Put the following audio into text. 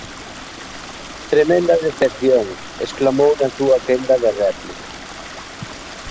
"Tremenda decepción", exclamou na súa quenda de réplica.